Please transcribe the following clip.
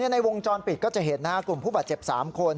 ในวงจรปิดก็จะเห็นกลุ่มผู้บาดเจ็บ๓คน